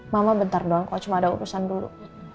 mama bentar doang kok cuma ada urusan dulu